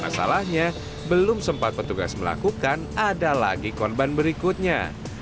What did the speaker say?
masalahnya belum sempat petugas melakukan ada lagi korban berikutnya